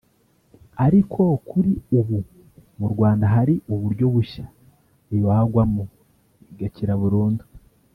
ariko kuri ubu mu Rwanda hari uburyo bushya ibagwamo igakira burundu